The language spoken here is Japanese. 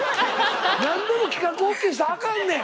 何でも企画オーケーしたらあかんねん。